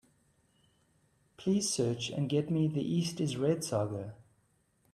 Please search and get me The East Is Red saga.